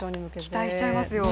期待しちゃいますよ。